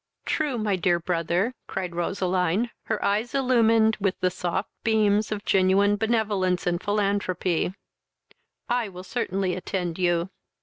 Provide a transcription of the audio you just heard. "True, my dear brother, (cried Roseline, her eyes illumined with the soft beams of genuine benevolence and philanthropy,) I will certainly attend you."